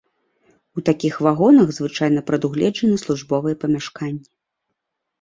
У такіх вагонах звычайна прадугледжаны службовыя памяшканні.